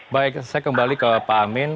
baik saya kembali ke pak amin